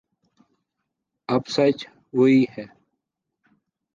اب سچ وہی ہے